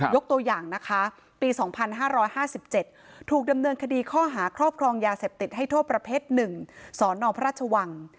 ยกตัวอย่างนะคะปี๒๕๕๗ถูกดำเนินคดีข้อหาครอบครองยาเสพติดให้โทษประเภท๑สนพระราชวัง